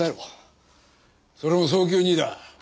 それも早急にだ。